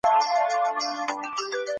ولسي جرګه له پيل راهيسې پر حکومت څارنه کوي.